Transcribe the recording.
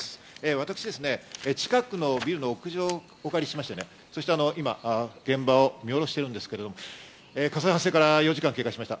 私、近くのビルの屋上をお借りしまして、今現場を見下ろしているんですけれど、火災発生から４時間経過しました。